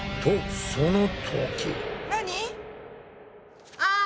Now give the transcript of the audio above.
何？